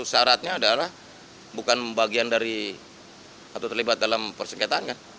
salah satu syaratnya adalah bukan bagian dari atau terlibat dalam persengketaannya